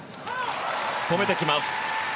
止めてきました。